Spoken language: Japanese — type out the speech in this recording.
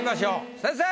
先生。